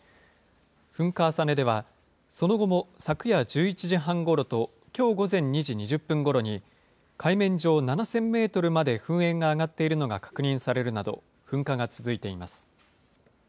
噴火浅根では、その後も昨夜１１時半ごろと、きょう午前２時２０分ごろに、海面上７０００メートルまで噴煙が上がっているのが確認されるなど、噴火が続いています。